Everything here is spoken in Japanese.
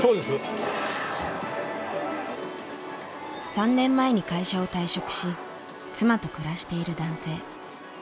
３年前に会社を退職し妻と暮らしている男性。